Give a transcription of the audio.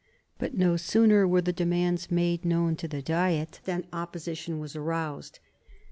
But no sooner were the demands made known to the Diet than opposition was aroused.